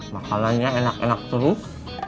makanannya enak enak terus